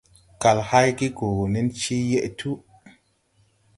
Kal hayge gɔ nen cee yeʼ tuu.